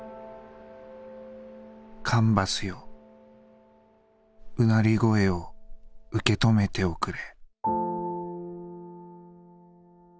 「カンバスよ唸り声を受け止めておくれ」。